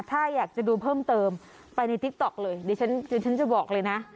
ถ้าอยากจะดูเพิ่มเติมไปในติ๊กต๊อกเลยดิฉันจะบอกเลยนะ